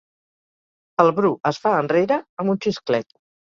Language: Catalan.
El Bru es fa enrere, amb un xisclet.